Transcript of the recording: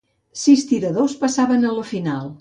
Sis tiradors passaven a la final.